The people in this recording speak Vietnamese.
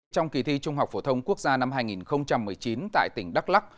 trong kỳ thi trung học phổ thông quốc gia năm hai nghìn một mươi chín tại tỉnh đắk lắc